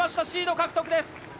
シード獲得です。